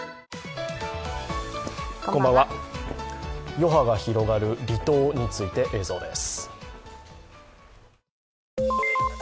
余波が広がる離党について映像です。